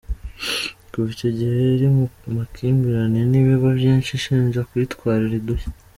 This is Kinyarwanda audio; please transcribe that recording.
Kuva icyo gihe iri mu makimbirane n’ibigo byinshi ishinja kuyitwarira udushya.